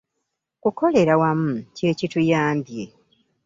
Kukolera wamu kye kituyambye.